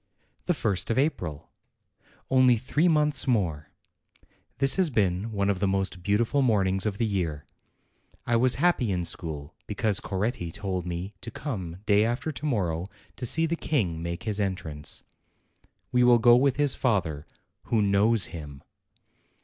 THE first of April! Only three months more! This has been one of the most beautiful mornings of the year. I was happy in school because Coretti told me to come day after to morrow to see the King make his entrance. We will go with his father, who knows him.